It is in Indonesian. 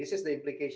ini adalah implikasi